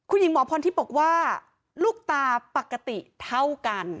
คุณหญิงหมอพรทิพย์บอกว่าลูกตาปกติเท่ากัน